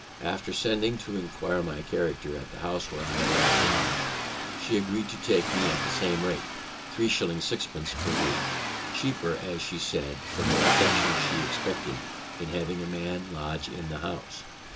After sending to inquire my character at the house where I last lodg'd she agreed to take me in at the same rate, 3s. 6d. per week; cheaper, as she said, from the protection she expected in having a man lodge in the house.